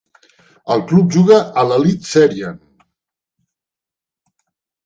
El club juga a l'Eliteserien.